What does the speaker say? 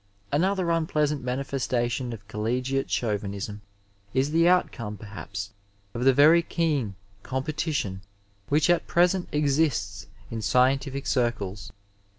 Another unpleasant manifestation of coUegiate Chau vinism is the outcome, perhaps, of the very ke«i com petition which at present exists in scientific circles.